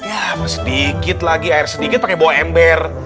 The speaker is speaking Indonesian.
ya sedikit lagi air sedikit pakai bawa ember